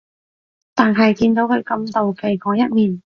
但係見到佢咁妒忌嗰一面